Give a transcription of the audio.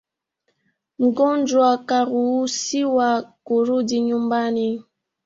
Mgonjwa karuhusiwa kurudi nyumbani